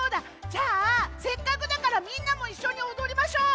じゃあせっかくだからみんなもいっしょにおどりましょう！